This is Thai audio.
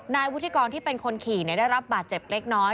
นายวุฒิกรที่เป็นคนขี่ได้รับบาดเจ็บเล็กน้อย